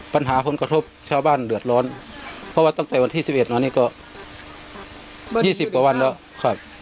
ปัญหาผลกระทบชาวบ้านเดือดร้อนเพราะว่าตั้งแต่วันที่๑๑มานี่ก็๒๐กว่าวันแล้วครับ